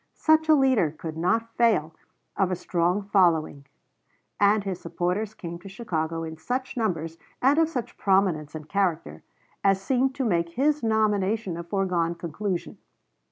Such a leader could not fail of a strong following, and his supporters came to Chicago in such numbers, and of such prominence and character, as seemed to make his nomination a foregone conclusion.